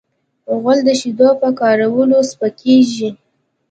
غول د شیدو په کارولو سپکېږي.